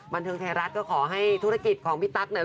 บันเทิงไทยรัฐก็ขอให้ธุรกิจของพี่ตั๊กเนี่ย